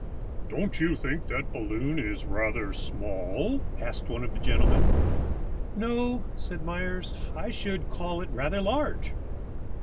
"Don't you think that balloon is rather small?" asked one of the gentlemen. "No," said Myers; "I should call it rather large."